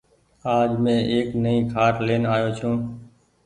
آج مين ايڪ نئي کآٽ لين آئو ڇون۔